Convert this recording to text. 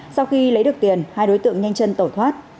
sau khi lấy được tiền hai đối tượng nhanh chân tẩu thoát